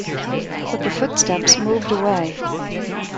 But the footsteps moved away.